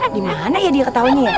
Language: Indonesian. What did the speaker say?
dimana ya dia ketawanya ya